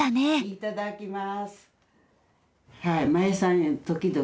いただきます。